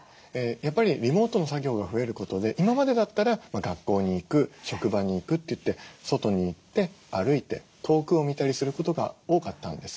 やっぱりリモートの作業が増えることで今までだったら学校に行く職場に行くといって外に行って歩いて遠くを見たりすることが多かったんです。